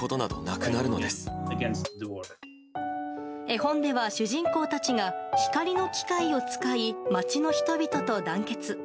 絵本では主人公たちが光の機械を使い町の人々と団結。